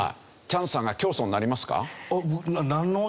チャンさんが教祖になりますか？